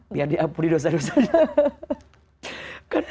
biar di ampuni dosa dosanya